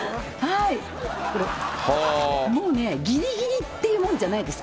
もうね、ぎりぎりっていうもんじゃないです。